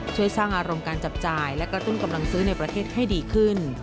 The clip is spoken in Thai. ช่วยสร้างอารมณ์การจับจ่ายและกระตุ้นกำลังซื้อในประเทศให้ดีขึ้น